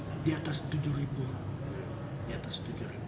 ya di atas tujuh ribu